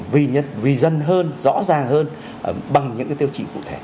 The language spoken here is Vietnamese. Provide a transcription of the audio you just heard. vi dân hơn rõ ràng hơn bằng những cái tiêu chỉ cụ thể